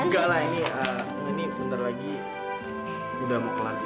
enggak lah ini ini bentar lagi udah mau pelan